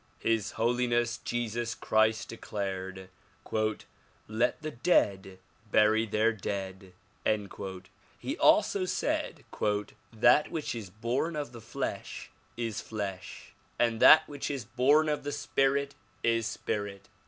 His Holiness Jesus Christ declared "Let the dead bury their dead." He also said "That which is born of the flesh is flesh, and that which is born of the spirit is spirit."